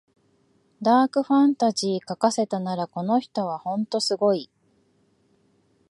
ダークファンタジー書かせたらこの人はほんとすごい